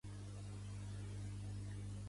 Què se t'hi ha perdut, a Pedra Santa?